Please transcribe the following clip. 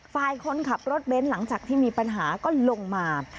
คนขับรถเบ้นหลังจากที่มีปัญหาก็ลงมา